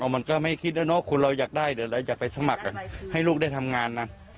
มันก็ไม่คิดแล้วเนอะคนเราอยากได้เดี๋ยวเราอยากไปสมัครกันให้ลูกได้ทำงานนะ